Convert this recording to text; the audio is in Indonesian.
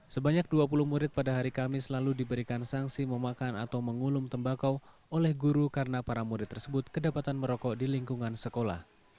sebanyak dua puluh murid pada hari kami selalu diberikan sanksi memakan atau mengulum tembakau oleh guru karena para murid tersebut kedapatan merokok di lingkungan sekolah